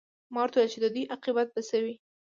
ما ورته وویل چې د دوی عاقبت به څه وي